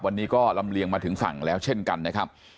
วันนี้ก็ลำเลียงมาถึงฝั่งแล้วเช่นกันนะครับ